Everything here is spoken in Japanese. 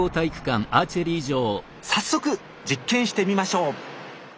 早速実験してみましょう！